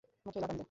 মুখে লাগাম দে!